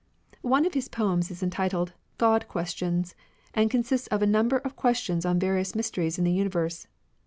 One of his poems is entitled " God Questions," and consists of a number of questions on various mysteries in the universe.